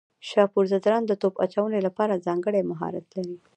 شاپور ځدراڼ د توپ اچونې لپاره ځانګړی مهارت لري.